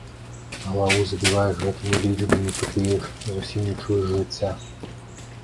Галаву забіваеш гэтымі лічбамі, тупееш, зусім не чуеш жыцця.